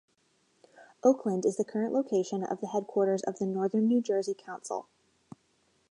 Oakland is the current location of the headquarters of the Northern New Jersey Council.